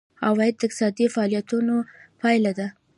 عواید د اقتصادي فعالیتونو پایله ده.